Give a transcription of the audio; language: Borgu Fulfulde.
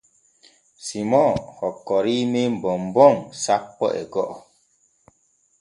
Simon hokkorii men bonbon sappo e go’o.